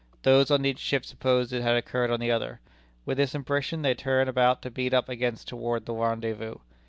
Those on each ship supposed it had occurred on the other. With this impression they turned about to beat up again toward the rendezvous.